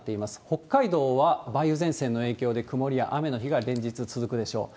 北海道は梅雨前線の影響で曇りや雨の日が連日続くでしょう。